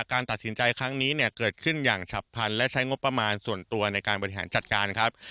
การตัดสินใจครั้งนี้เนี่ยเกิดขึ้นอย่างฉับพันธุ์และใช้งบประมาณส่วนตัวในการบริหารจัดการครับ